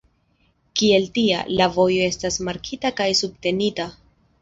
Kiel tia, la vojo estas markita kaj subtenita.